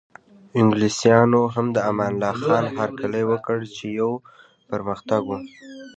انګلیسانو هم د امان الله خان هرکلی وکړ چې یو پرمختګ و.